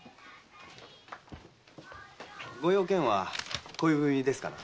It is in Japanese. ご用件は恋文ですかな？